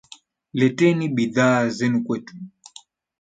Leteni bidhaa zenu kwetu.